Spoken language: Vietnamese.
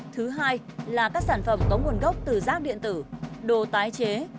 thứ hai là các sản phẩm có nguồn gốc từ rác điện tử đồ tái chế